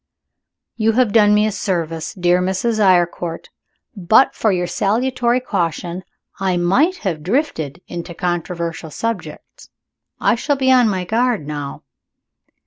"You have done me a service, dear Mrs. Eyrecourt. But for your salutory caution, I might have drifted into controversial subjects. I shall be on my guard now."